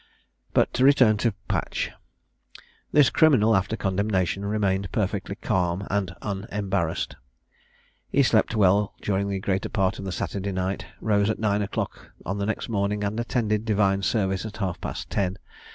But to return to Patch. This criminal, after condemnation, remained perfectly calm and unembarrassed. He slept well during the greater part of the Saturday night, rose at nine o'clock on the next morning, and attended divine service at half past ten.